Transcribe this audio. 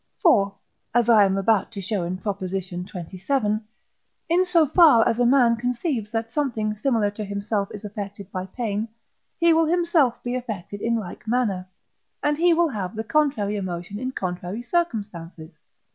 For (as I am about to show in Prop. xxvii.), in so far as a man conceives that something similar to himself is affected by pain, he will himself be affected in like manner; and he will have the contrary emotion in contrary circumstances.